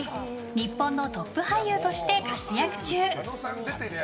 日本のトップ俳優として活躍中。